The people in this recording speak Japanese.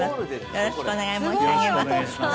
よろしくお願いします。